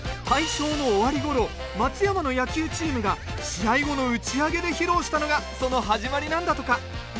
大正の終わりごろ松山の野球チームが試合後の打ち上げで披露したのがその始まりなんだとか。